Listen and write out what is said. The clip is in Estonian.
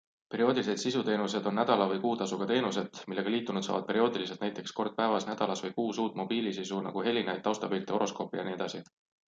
Perioodilised sisuteenused on nädala- või kuutasuga teenused, millega liitunud saavad perioodiliselt, näiteks kord päevas, nädalas või kuus uut mobiilisisu nagu helinaid, taustapilte, horoskoope jne.